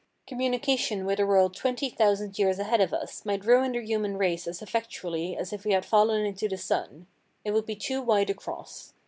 Communication with a world twenty thousand years ahead of us might ruin the human race as effectually as if we had fallen into the sun. It would be too wide a cross.